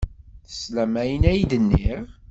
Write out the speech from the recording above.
Teslam ayen ay d-nniɣ.